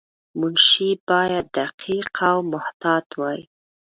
منشي باید دقیق او محتاط وای.